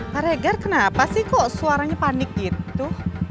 pak reger kenapa sih kok suaranya panik gitu